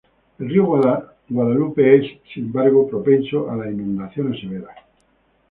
El río Guadalupe es, sin embargo, propenso a las inundaciones severas.